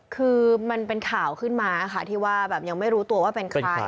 คือมันเป็นข่าวขึ้นมาค่ะที่ว่าแบบยังไม่รู้ตัวว่าเป็นใคร